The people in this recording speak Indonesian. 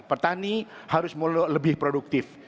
petani harus mulai lebih produktif